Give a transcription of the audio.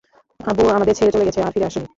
আব্বু আমাদের ছেড়ে চলে গেছে আর ফিরে আসেনি।